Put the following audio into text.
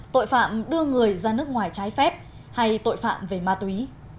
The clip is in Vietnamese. tội phạm đưa người ra nước ngoài trái phép hay tội phạm về ma túy